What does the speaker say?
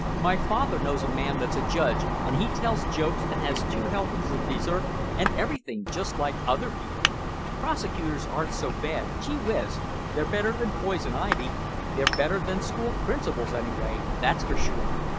My father knows a man that's a judge and he tells jokes and has two helpings of dessert and everything just like other people. Prosecutors aren't so bad, gee whiz, they're better than poison ivy; they're better than school principals anyway, that's sure.